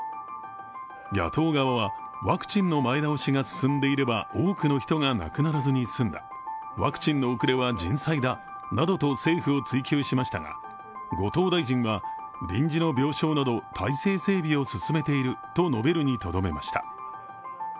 野党側は、ワクチンの前倒しが進んでいれば、多くの人が亡くならずに済んだワクチンの遅れは人災だなどと政府を追求しましたが、後藤大臣は、臨時の病床など体制整備を進めていると述べるにとどめました。